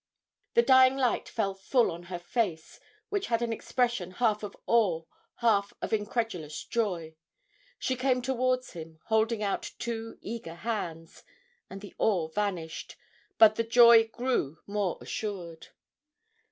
The dying light fell full on her face, which had an expression half of awe, half of incredulous joy she came towards him, holding out two eager hands, and the awe vanished, but the joy grew more assured.